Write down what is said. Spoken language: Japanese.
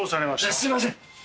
すいません。